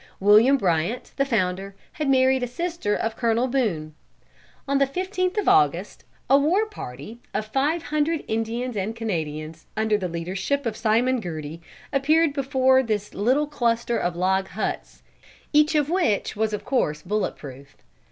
William Bryant, the founder, had married a sister of Colonel Boone. On the fifteenth of August, a war party of five hundred Indians and Canadians, under the leadership of Simon Gerty, appeared before this little cluster of log huts, each of which was of course bullet proof.